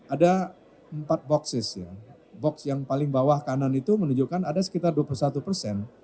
ada empat boxis ya box yang paling bawah kanan itu menunjukkan ada sekitar dua puluh satu persen